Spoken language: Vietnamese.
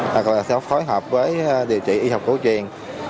hoặc là sẽ phối hợp với điều trị y học cổ truyền